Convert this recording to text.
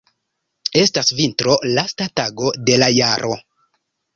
Estas vintro, lasta tago de la jaro.